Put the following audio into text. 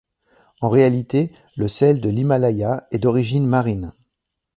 En réalité, le sel de l’Himalaya est d’origine marine.